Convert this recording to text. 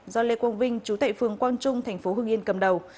do lê quang vinh chú tệ phương quang trung thành phố hương yên cầm đầu